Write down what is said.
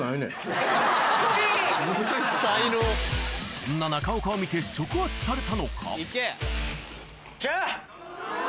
そんな中岡を見て触発されたのか